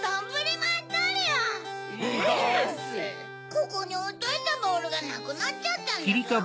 ここにおいといたボールがなくなっちゃったんだゾウ。